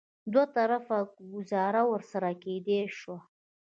دوه طرفه ګوزاره ورسره کېدای شوه.